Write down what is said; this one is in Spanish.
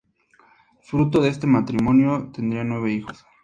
Fruto de este matrimonio tendrían nueve hijos.